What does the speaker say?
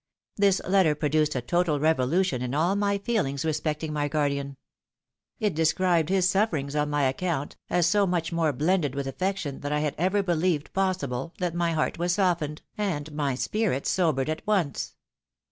This letter produced a total revolution in all my feelings respecting my guardian. It described his sufferings on my account, as so • much more blended with afiection than I had ever beheved pos sible, that my heart was softened, and my spirit sobered at once.